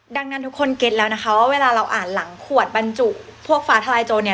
ดังนั้นทุกคนเก็ตแล้วนะคะว่าเวลาเราอ่านหลังขวดบรรจุพวกฟ้าทลายโจรเนี่ย